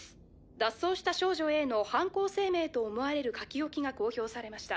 脱走した少女Ａの犯行声明と思われる書き置きが公表されました